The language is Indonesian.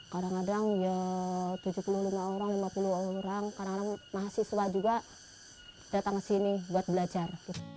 kadang kadang ya tujuh puluh lima orang lima puluh orang kadang kadang mahasiswa juga datang ke sini buat belajar